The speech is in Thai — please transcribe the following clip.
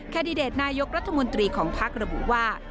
แดดิเดตนายกรัฐมนตรีของพักระบุว่า